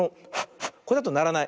これだとならない。